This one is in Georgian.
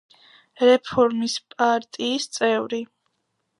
რეფორმის პარტიის წევრი.